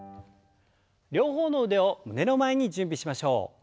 両方の腕を胸の前に準備しましょう。